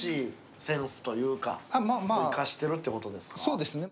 そうですね。